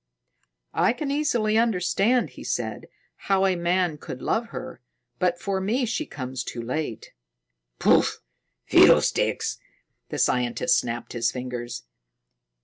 "I can easily understand," he said, "how a man could love her, but for me she comes too late." "Pooh! Fiddlesticks!" The scientist snapped his fingers.